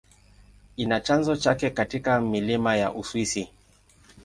Ina chanzo chake katika milima ya Uswisi.